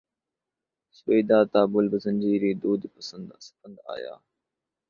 سویدا تا بلب زنجیری دود سپند آیا